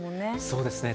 そうですね。